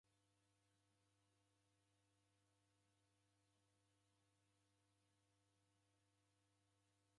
Simanyagha, ela shekeria imu sena ni w'andu w'engi w'ereendieghe noko kimonu.